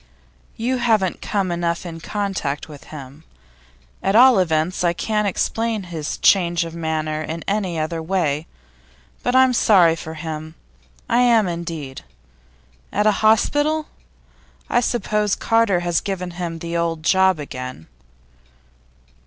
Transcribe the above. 'You haven't come enough in contact with him. At all events, I can't explain his change of manner in any other way. But I'm sorry for him; I am, indeed. At a hospital? I suppose Carter has given him the old job again?